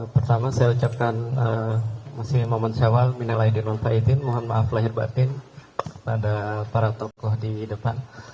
pertama saya ucapkan salam sejahtera kepada para tokoh di depan